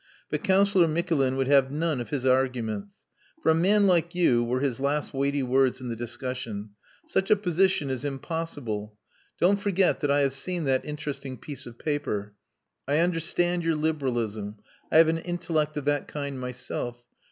But Councillor Mikulin would have none of his arguments. "For a man like you," were his last weighty words in the discussion, "such a position is impossible. Don't forget that I have seen that interesting piece of paper. I understand your liberalism. I have an intellect of that kind myself.